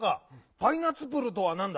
「パイナツプル」とはなんだ？